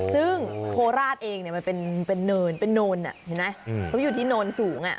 ซึ่งโคราชเองมันเป็นเนินเป็นเนินเห็นไหมเขาอยู่ที่โนนสูง